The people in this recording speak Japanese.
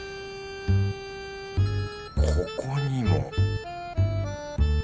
ここにも